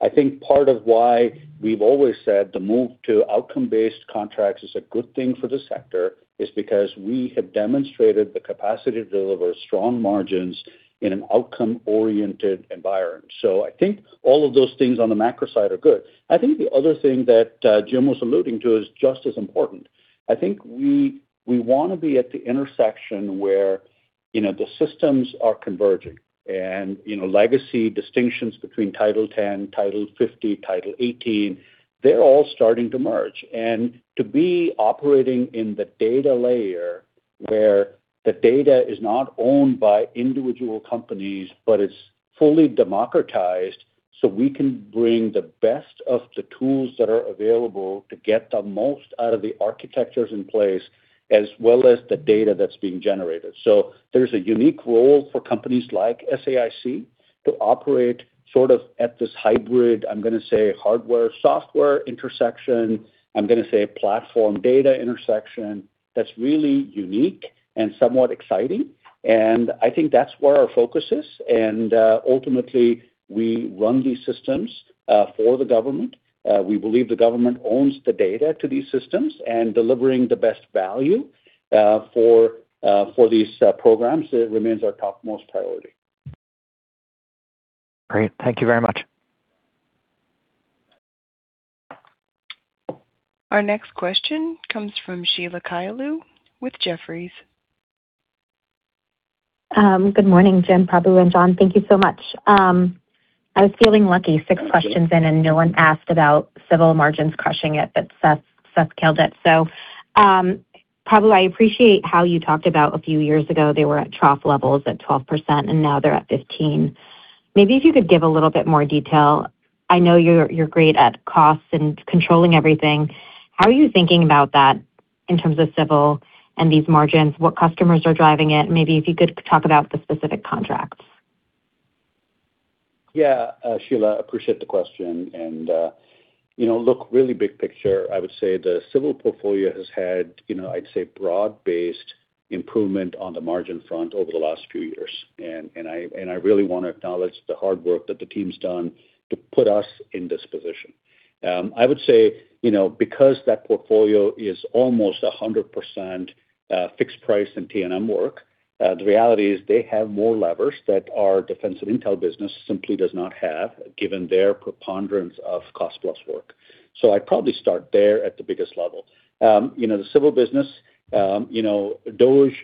I think part of why we've always said the move to outcome-based contracts is a good thing for the sector is because we have demonstrated the capacity to deliver strong margins in an outcome-oriented environment. I think all of those things on the macro side are good. I think the other thing that Jim was alluding to is just as important. I think we want to be at the intersection where the systems are converging and legacy distinctions between Title 10, Title 50, Title 18, they're all starting to merge. To be operating in the data layer where the data is not owned by individual companies, but it's fully democratized, so we can bring the best of the tools that are available to get the most out of the architectures in place, as well as the data that's being generated. There's a unique role for companies like SAIC to operate sort of at this hybrid, I'm going to say, hardware-software intersection. I'm going to say a platform data intersection that's really unique and somewhat exciting, and I think that's where our focus is. Ultimately, we run these systems for the government. We believe the government owns the data to these systems, and delivering the best value for these programs remains our topmost priority. Great. Thank you very much. Our next question comes from Sheila Kahyaoglu with Jefferies. Good morning, Jim, Prabu, and John. Thank you so much. I was feeling lucky, six questions in and no one asked about civil margins crushing it, but Seth killed it. Prabu, I appreciate how you talked about a few years ago, they were at trough levels at 12%, and now they're at 15%. Maybe if you could give a little bit more detail. I know you're great at costs and controlling everything. How are you thinking about that in terms of civil and these margins? What customers are driving it? Maybe if you could talk about the specific contracts. Yeah. Sheila, appreciate the question. Really big picture, I would say the civil portfolio has had, I'd say, broad-based improvement on the margin front over the last few years, and I really want to acknowledge the hard work that the team's done to put us in this position. I would say, because that portfolio is almost 100% fixed price and T&M work, the reality is they have more levers that our defensive intel business simply does not have, given their preponderance of cost-plus work. I'd probably start there at the biggest level. The civil business, DOGE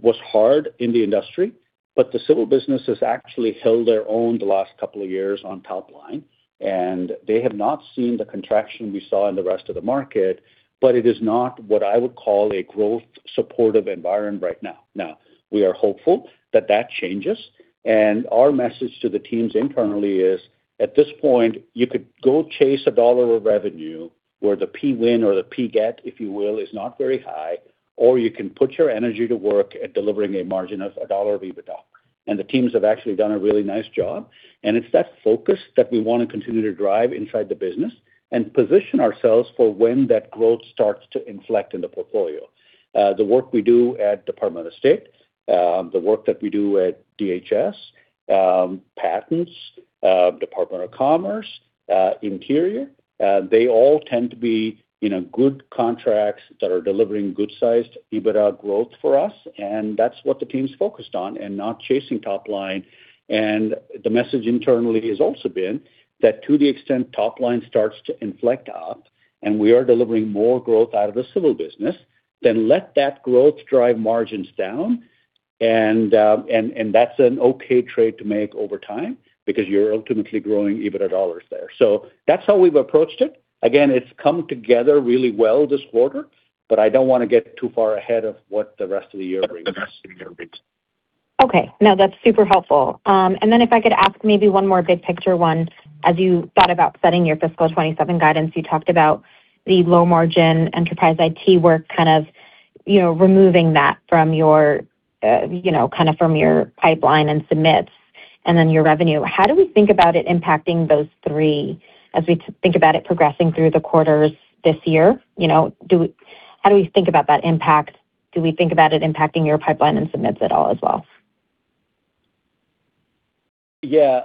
was hard in the industry, but the civil business has actually held their own the last couple of years on top line, and they have not seen the contraction we saw in the rest of the market, but it is not what I would call a growth-supportive environment right now. Now, we are hopeful that that changes, and our message to the teams internally is, at this point, you could go chase a dollar of revenue where the Pwin or the P get, if you will, is not very high, or you can put your energy to work at delivering a margin of a dollar of EBITDA. The teams have actually done a really nice job, and it's that focus that we want to continue to drive inside the business and position ourselves for when that growth starts to inflect in the portfolio. The work we do at Department of State, the work that we do at DHS, patents, Department of Commerce, Interior, they all tend to be good contracts that are delivering good-sized EBITDA growth for us, and that's what the team's focused on and not chasing top line. The message internally has also been that to the extent top line starts to inflect up and we are delivering more growth out of the civil business, then let that growth drive margins down and that's an okay trade to make over time because you're ultimately growing EBITDA dollars there. That's how we've approached it. Again, it's come together really well this quarter, but I don't want to get too far ahead of what the rest of the year brings. Okay. No, that's super helpful. If I could ask maybe one more big picture one. As you thought about setting your FY 2027 guidance, you talked about the low-margin enterprise IT work, kind of removing that from your pipeline and submits and then your revenue. How do we think about it impacting those three as we think about it progressing through the quarters this year? How do we think about that impact? Do we think about it impacting your pipeline and submits at all as well? Yeah.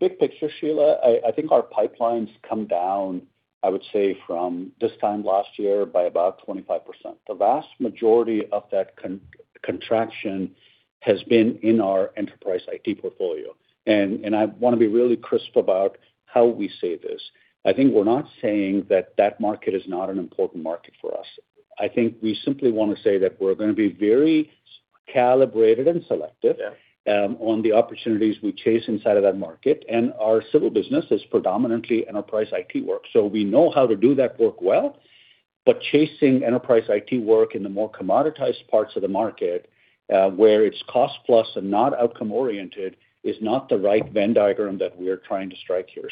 Big picture, Sheila, I think our pipeline's come down, I would say, from this time last year by about 25%. The vast majority of that contraction has been in our enterprise IT portfolio. I want to be really crisp about how we say this. I think we're not saying that that market is not an important market for us. I think we simply want to say that we're going to be very calibrated and selective. Yeah. On the opportunities we chase inside of that market. Our civil business is predominantly enterprise IT work. We know how to do that work well, but chasing enterprise IT work in the more commoditized parts of the market, where it's cost-plus and not outcome oriented, is not the right Venn diagram that we are trying to strike here.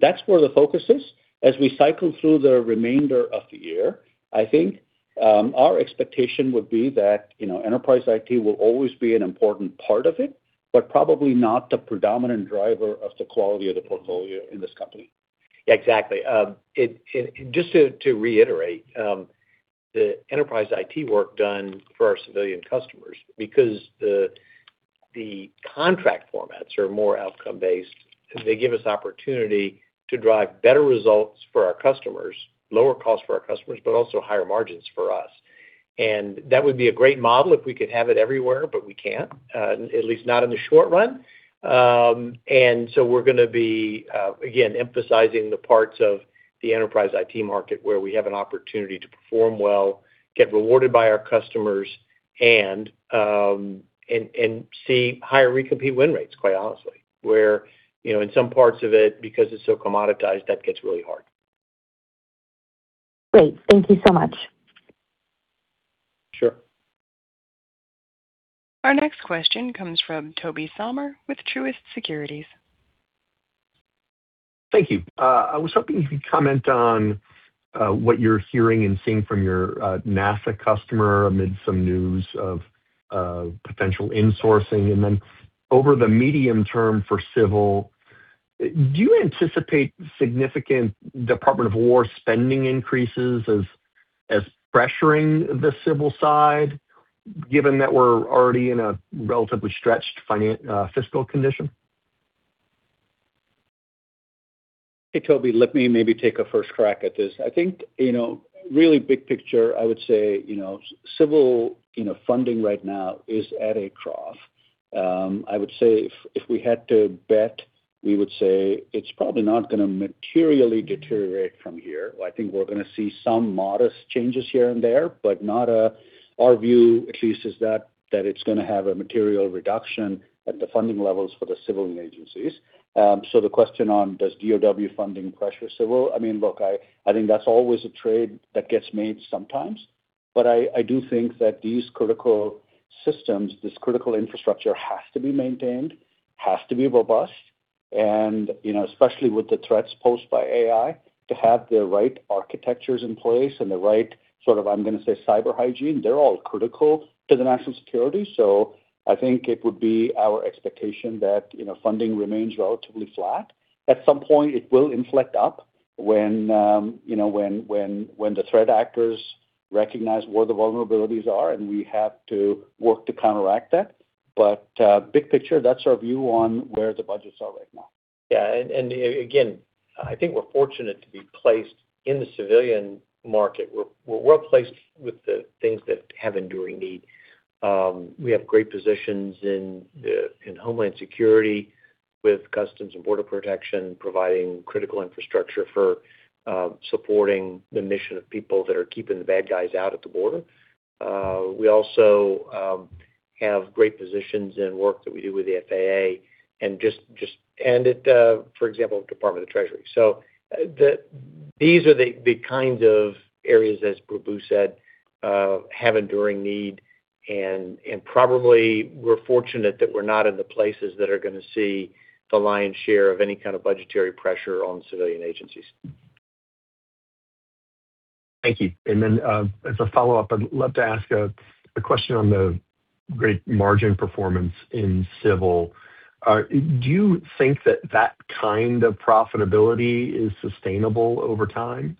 That's where the focus is. As we cycle through the remainder of the year, I think, our expectation would be that enterprise IT will always be an important part of it, but probably not the predominant driver of the quality of the portfolio in this company. Yeah, exactly. Just to reiterate, the enterprise IT work done for our civilian customers, because the contract formats are more outcome-based, they give us opportunity to drive better results for our customers, lower cost for our customers, but also higher margins for us. That would be a great model if we could have it everywhere, but we can't, at least not in the short run. We're going to be, again, emphasizing the parts of the enterprise IT market where we have an opportunity to perform well, get rewarded by our customers, and see higher recompete win rates, quite honestly. Where, in some parts of it, because it's so commoditized, that gets really hard. Great. Thank you so much. Sure. Our next question comes from Tobey Sommer with Truist Securities. Thank you. I was hoping you could comment on what you're hearing and seeing from your NASA customer amid some news of potential insourcing. Then over the medium term for civil, do you anticipate significant Department of War spending increases as pressuring the civil side, given that we're already in a relatively stretched fiscal condition? Hey, Tobey, let me maybe take a first crack at this. I think, really big picture, I would say, civil funding right now is at a trough. I would say if we had to bet, we would say it's probably not going to materially deteriorate from here. I think we're going to see some modest changes here and there, but our view, at least, is that it's going to have a material reduction at the funding levels for the civilian agencies. The question on does DOD funding pressure civil, look, I think that's always a trade that gets made sometimes. I do think that these critical systems, this critical infrastructure has to be maintained, has to be robust, and especially with the threats posed by AI, to have the right architectures in place and the right, I'm going to say cyber hygiene, they're all critical to the national security. I think it would be our expectation that funding remains relatively flat. At some point, it will inflect up when the threat actors recognize where the vulnerabilities are, and we have to work to counteract that. Big picture, that's our view on where the budgets are right now. Yeah. Again, I think we're fortunate to be placed in the civilian market. We're well-placed with the things that have enduring need. We have great positions in Homeland Security with Customs and Border Protection, providing critical infrastructure for supporting the mission of people that are keeping the bad guys out at the border. We also have great positions in work that we do with the FAA and, for example, Department of Treasury. These are the kinds of areas, as Prabu said, have enduring need. Probably we're fortunate that we're not in the places that are going to see the lion's share of any kind of budgetary pressure on civilian agencies. Thank you. Then, as a follow-up, I'd love to ask a question on the great margin performance in civil. Do you think that that kind of profitability is sustainable over time?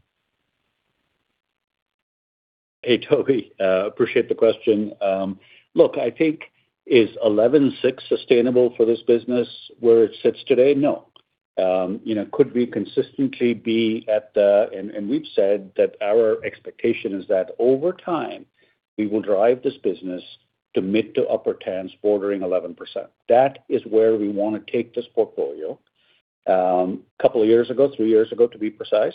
Hey, Tobey. Appreciate the question. Look, I think is 11.6 sustainable for this business where it sits today? No. We've said that our expectation is that over time, we will drive this business to mid to upper 10s bordering 11%. That is where we want to take this portfolio. Couple of years ago, three years ago to be precise,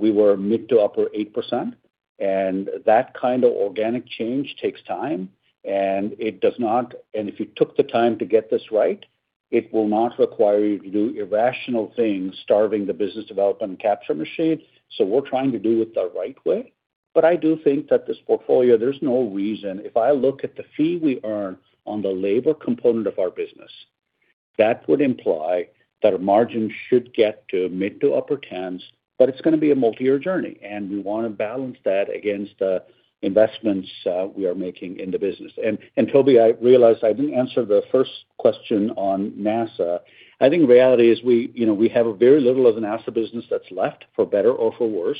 we were mid to upper 8%, and that kind of organic change takes time. If you took the time to get this right, it will not require you to do irrational things, starving the business development and capture machine. We're trying to do it the right way. I do think that this portfolio, there's no reason. If I look at the fee we earn on the labor component of our business, that would imply that our margins should get to mid-to-upper 10s, but it's going to be a multi-year journey, and we want to balance that against the investments we are making in the business. Tobey, I realize I didn't answer the first question on NASA. I think reality is we have a very little of a NASA business that's left, for better or for worse.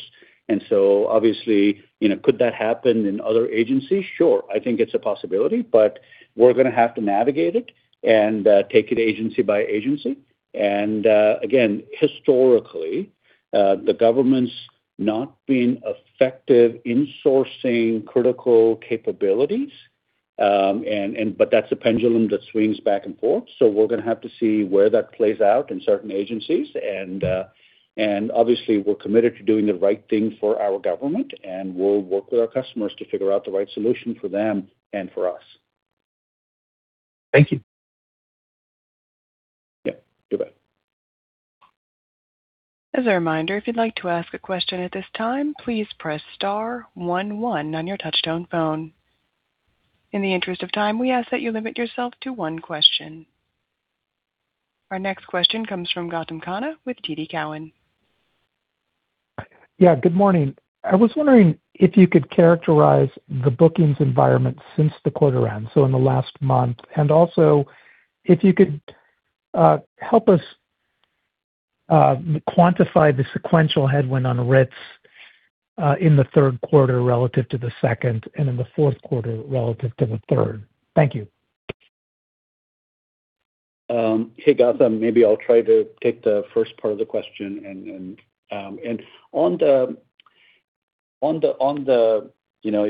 Obviously, could that happen in other agencies? Sure. I think it's a possibility, but we're going to have to navigate it and take it agency by agency. Again, historically, the government's not being effective in sourcing critical capabilities, but that's a pendulum that swings back and forth. We're going to have to see where that plays out in certain agencies. Obviously, we're committed to doing the right thing for our government, and we'll work with our customers to figure out the right solution for them and for us. Thank you. Yeah. Goodbye. As a reminder if you'd like to ask a question at this time, please press star one one on your touch. In the interest of time, we ask that you limit yourself to one question. Our next question comes from Gautam Khanna with TD Cowen. Good morning. I was wondering if you could characterize the bookings environment since the quarter end, so in the last month, and also if you could help us quantify the sequential headwind on RITS in the third quarter relative to the second and in the fourth quarter relative to the third. Thank you. Hey, Gautam. Maybe I'll try to take the first part of the question.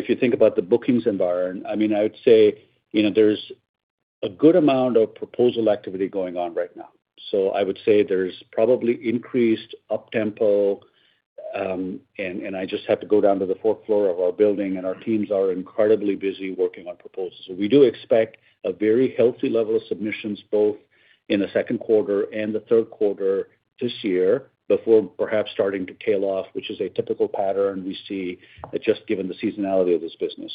If you think about the bookings environment, I would say there's a good amount of proposal activity going on right now. I would say there's probably increased up-tempo, and I just have to go down to the fourth floor of our building and our teams are incredibly busy working on proposals. We do expect a very healthy level of submissions, both in the second quarter and the third quarter this year, before perhaps starting to tail off, which is a typical pattern we see just given the seasonality of this business.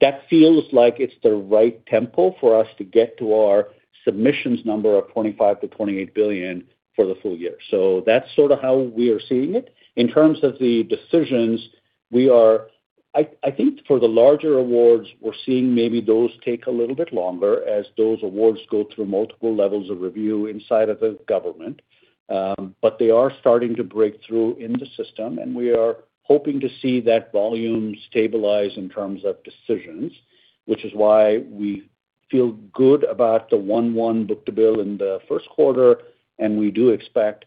That feels like it's the right tempo for us to get to our submissions number of $25 billion-$28 billion for the full year. That's sort of how we are seeing it. In terms of the decisions, I think for the larger awards, we're seeing maybe those take a little bit longer as those awards go through multiple levels of review inside of the government. They are starting to break through in the system, and we are hoping to see that volume stabilize in terms of decisions, which is why we feel good about the 1.1 book-to-bill in the first quarter, and we do expect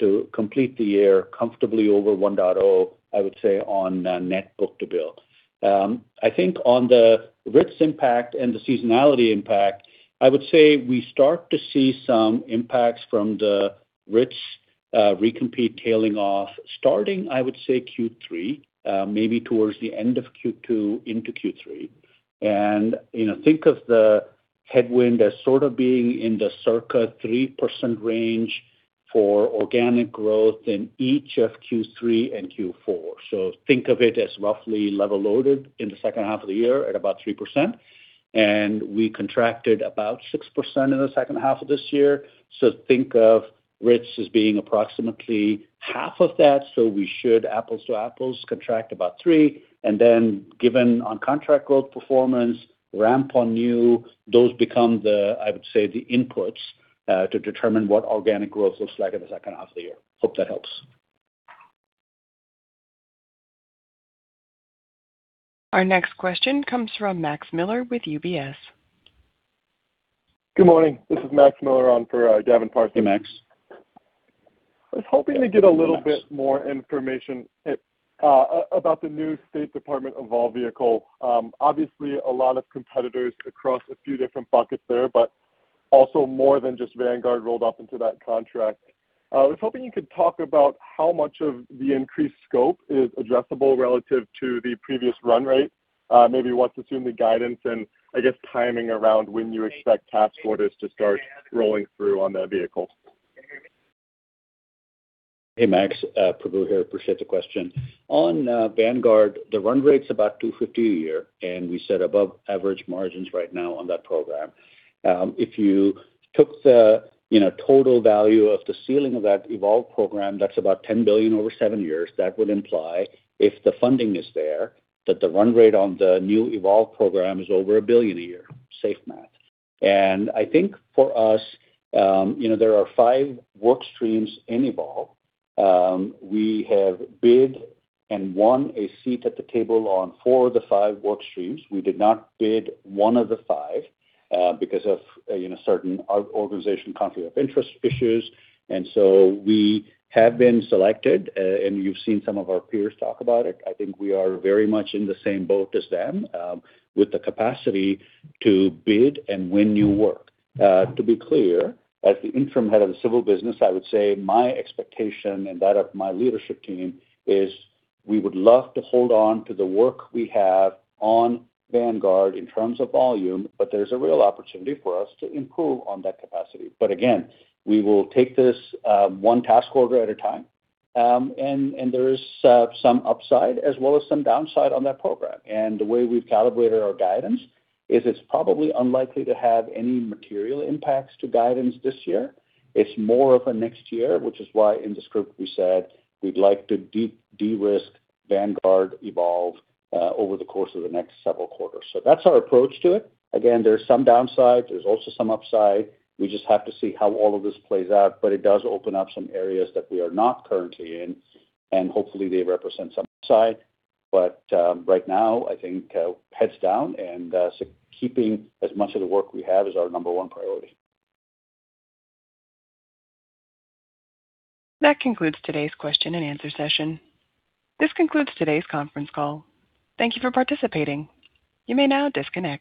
to complete the year comfortably over 1.0, I would say, on net book-to-bill. I think on the RITS impact and the seasonality impact, I would say we start to see some impacts from the RITS recompete tailing off starting, I would say, Q3, maybe towards the end of Q2 into Q3. Think of the headwind as sort of being in the circa 3% range for organic growth in each of Q3 and Q4. Think of it as roughly level-loaded in the second half of the year at about 3%. We contracted about 6% in the second half of this year. Think of RITS as being approximately half of that, so we should apples to apples contract about three. Given on contract growth performance, ramp on new, those become the, I would say, the inputs to determine what organic growth looks like in the second half of the year. Hope that helps. Our next question comes from Max Miller with UBS. Good morning. This is Max Miller on for Gavin Parsons. Hey, Max. I was hoping to get a little bit more information about the new State Department Evolve vehicle. Obviously, a lot of competitors across a few different buckets there, but also more than just Vanguard rolled up into that contract. I was hoping you could talk about how much of the increased scope is addressable relative to the previous run rate. Maybe what to assume the guidance and I guess timing around when you expect task orders to start rolling through on that vehicle. Hey, Max. Prabu here. Appreciate the question. On Vanguard, the run rate's about $250 a year, and we set above average margins right now on that program. If you took the total value of the ceiling of that Evolve program, that's about $10 billion over seven years. That would imply, if the funding is there, that the run rate on the new Evolve program is over $1 billion a year. Safe math. I think for us, there are five work streams in Evolve. We have bid and won a seat at the table on four of the five work streams. We did not bid one of the five because of certain organization conflict of interest issues. We have been selected, and you've seen some of our peers talk about it. I think we are very much in the same boat as them with the capacity to bid and win new work. To be clear, as the interim head of the civil business, I would say my expectation and that of my leadership team is we would love to hold on to the work we have on Vanguard in terms of volume, but there's a real opportunity for us to improve on that capacity. Again, we will take this one task order at a time. There is some upside as well as some downside on that program. The way we've calibrated our guidance is it's probably unlikely to have any material impacts to guidance this year. It's more of a next year, which is why in the script we said we'd like to de-risk Vanguard Evolve over the course of the next several quarters. That's our approach to it. Again, there's some downsides. There's also some upside. We just have to see how all of this plays out, but it does open up some areas that we are not currently in, and hopefully they represent some upside. Right now, I think heads down and keeping as much of the work we have is our number one priority. That concludes today's question and answer session. This concludes today's conference call. Thank you for participating. You may now disconnect.